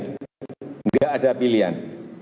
tidak ada pilihan